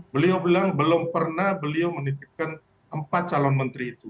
beliau bilang belum pernah beliau menitipkan empat calon menteri itu